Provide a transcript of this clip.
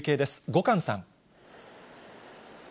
後閑さん。